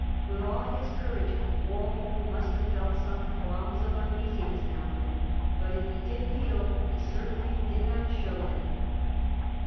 With all his courage, Walpole must have felt some qualms of uneasiness now and then, but if he did feel he certainly did not show them.